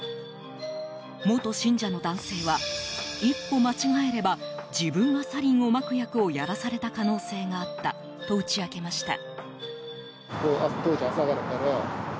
元信者の男性は一歩間違えれば自分がサリンをまく役をやらされた可能性があったと打ち明けました。